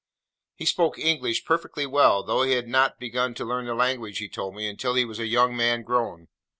He spoke English perfectly well, though he had not begun to learn the language, he told me, until he was a young man grown.